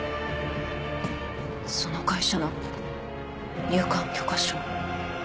その会社の入館許可証。